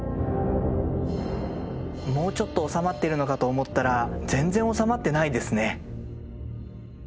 もうちょっと収まってるのかと思ったら全然収まってないですね。